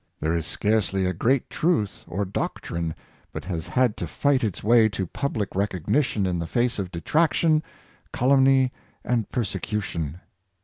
There is scarcely a great truth or doctrine but has had to fight its way to public recognition in the face of detraction, calumny, and persecution.